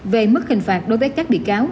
về mức hình phạt đối với các bị cáo